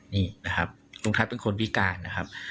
นี่นะครับลุงทัศน์เป็นคนพิการนะครับ